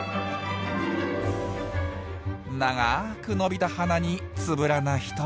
長く伸びた鼻につぶらな瞳。